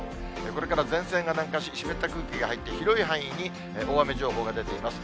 これから前線が南下し、湿った空気が入って、広い範囲に大雨情報が出ています。